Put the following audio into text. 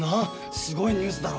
すごいニュースだろ。